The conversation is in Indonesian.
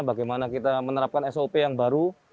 bagaimana kita menerapkan sop yang baru